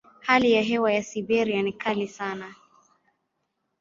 Hali ya hewa ya Siberia ni kali sana.